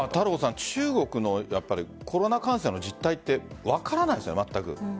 中国のコロナ感染の実態って分からないですね。